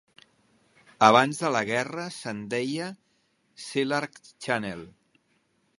Abans de la guerra, se'n deia Sealark Channel.